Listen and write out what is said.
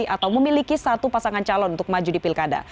atau memiliki satu pasangan calon untuk maju di pilkada